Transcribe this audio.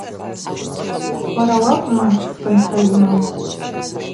Уара уакӏвма тшпынхӏва змам?